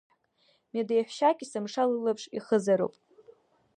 Медеҳәшьак есымша лылаԥш ихызароуп.